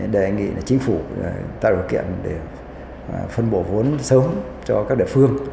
đề nghị chính phủ tạo điều kiện để phân bổ vốn sớm cho các địa phương